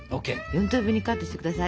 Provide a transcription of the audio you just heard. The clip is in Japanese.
４等分にカットして下さい。